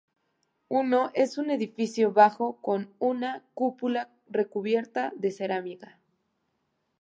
Uno es un edificio bajo con una cúpula recubierta de cerámica.